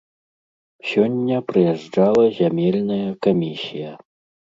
Сёння прыязджала зямельная камісія.